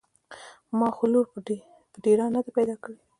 ما خو لور په ډېران نده پيدا کړې.